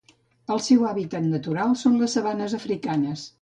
El seu hàbitat natural són les sabanes africanes.